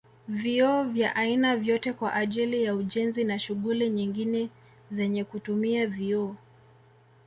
Vioo vya aina vyote kwa ajili ya ujenzi na shughuli nyingine zenye kutumia vioo